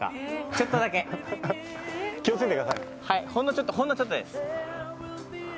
ほんのちょっとほんのちょっとです。